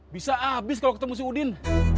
bisa abis kalau ketemu si udin